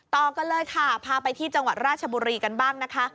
ต่อกันเลยค่ะพาไปที่จังหวัดราชบุรีกันบ้างนะคะ